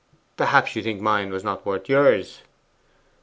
'Perhaps you think mine was not worth yours.